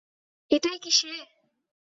এটাই কি সে?